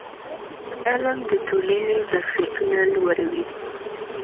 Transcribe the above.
علم د ټولنې ظرفیتونه لوړوي.